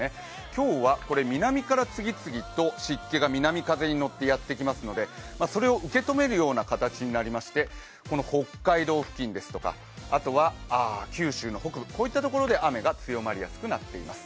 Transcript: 今日は南から次々と湿気が南風に乗ってやってきますので、それを受け止めるような形になりまして、北海道付近ですとか、九州の北部で雨が強まりやすくなっています。